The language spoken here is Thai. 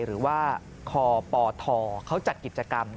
หรือว่าคปทเขาจัดกิจกรรม